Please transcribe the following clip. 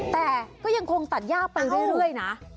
แต่ก็ยังคงตัดยากไปเรื่อยนะ